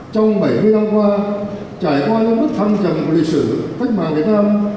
trong bảy mươi năm qua trải qua những bước thăng trầm của lịch sử cách mạng việt nam